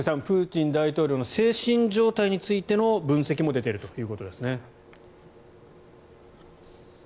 プーチン大統領の精神状態についての分析も出ているということですね。